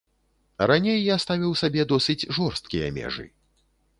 Раней я ставіў сабе досыць жорсткія межы.